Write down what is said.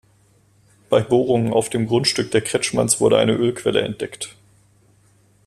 Bei Bohrungen auf dem Grundstück der Kretschmanns wurde eine Ölquelle entdeckt.